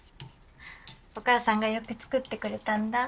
お母さんがよく作ってくれたんだ。